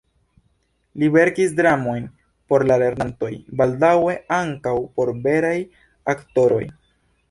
Li verkis dramojn por la lernantoj, baldaŭe ankaŭ por veraj aktoroj.